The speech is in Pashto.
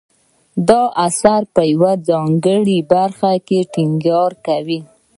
دا اثر په یوې ځانګړې برخې ټینګار کوي.